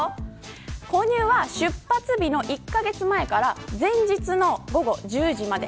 購入は出発日の１カ月前から前日の午後１０時まで。